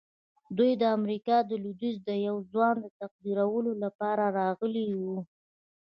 دوی د امريکا د لويديځ د يوه ځوان د تقديرولو لپاره راغلي وو.